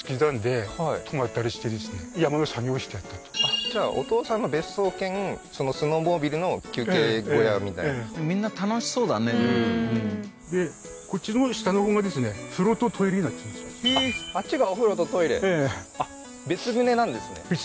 ああーじゃあお父さんの別荘兼そのスノーモービルの休憩小屋みたいなみんな楽しそうだねうんでこっちのあっちがお風呂とトイレええ別棟ですね